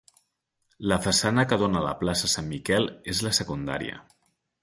La façana que dóna a la plaça Sant Miquel és la secundària.